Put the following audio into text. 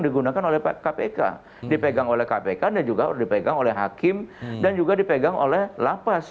digunakan oleh kpk dipegang oleh kpk dan juga dipegang oleh hakim dan juga dipegang oleh lapas